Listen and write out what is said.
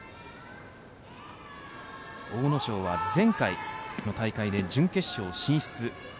阿武咲は前回この大会で準決勝進出。